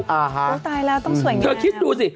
ตายแล้วต้องสวยง่ายแล้วนะนะกลับผมเธอคิดดูสิ